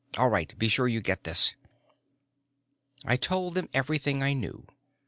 All right, be sure you get this." I told them everything I knew.